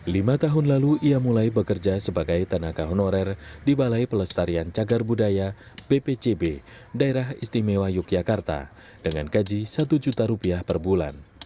lima tahun lalu ia mulai bekerja sebagai tenaga honorer di balai pelestarian cagar budaya bpcb daerah istimewa yogyakarta dengan gaji satu juta rupiah per bulan